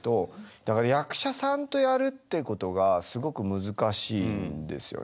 だから役者さんとやるってことがすごく難しいんですよね。